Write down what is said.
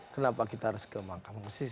kenapa kita harus ke mahkamah konstitusi